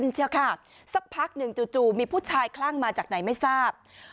สักพักหนึ่งจู่มีผู้ชายคล่างมานายจากไหนไม่ทราบ